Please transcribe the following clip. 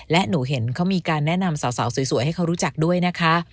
และหนูเห็นเขามีการแนะนำสาวสวยให้เขารู้จักด้วยนะคะ